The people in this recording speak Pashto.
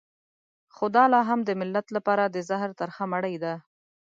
خو دا لا هم د ملت لپاره د زهر ترخه مړۍ ده.